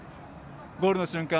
ゴールの瞬間